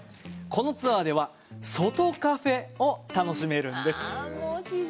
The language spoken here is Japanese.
このツアーではＳＯＴＯカフェを楽しめるんです。